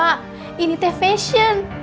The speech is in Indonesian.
bapak ini teh fashion